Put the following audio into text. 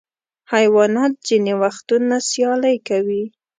حیوانات ځینې وختونه سیالۍ کوي.